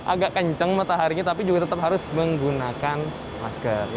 agak kencang mataharinya tapi juga tetap harus menggunakan masker